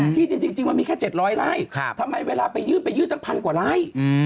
ที่จริงมันมีแค่๗๐๐ไร่ทำไมเวลาไปยื่นไปยื่นตั้งพันกว่าไร่